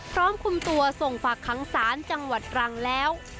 พร้อมคุมตัวส่งฝากค้างศาลจังหวัดตรังแล้ว